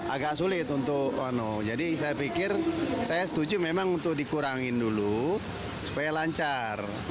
agak sulit untuk jadi saya pikir saya setuju memang untuk dikurangin dulu supaya lancar